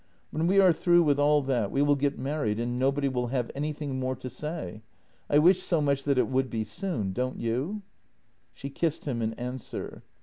When we are through with all that, we will get married, and nobody will have any thing more to say. I wish so much that it would be soon — don't you ?" She kissed him in answer.